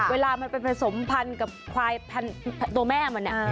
เวลามันเป็นผสมพันธุ์กับควายพันธุ์ตัวแม่มัน